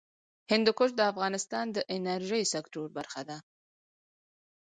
هندوکش د افغانستان د انرژۍ سکتور برخه ده.